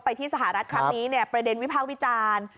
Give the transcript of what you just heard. ไปที่สหรัฐครั้งนี้ประเด็นวิภาควิจารณ์